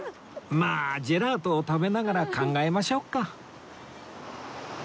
まあジェラートを食べながら考えましょうか